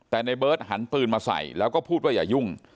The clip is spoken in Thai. แต่ในเบิร์ตหันปืนมาใส่แล้วก็พูดว่าอย่ายุ่ง